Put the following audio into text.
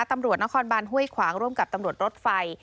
ตำรวจนครบานห้วยขวางร่วมกับตำรวจรถไฟ